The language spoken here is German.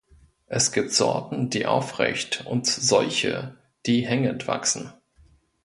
Es gibt Sorten, die aufrecht und solche, die hängend wachsen.